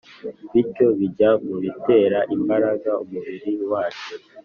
bityo bijya mu bitera imbaraga umubiri wacu.